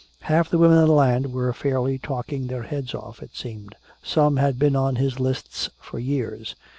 Half the women in the land were fairly talking their heads off, it seemed. Some had been on his lists for years.